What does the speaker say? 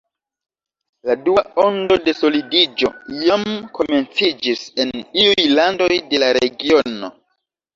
La dua ondo de solidiĝo jam komenciĝis en iuj landoj de la regiono.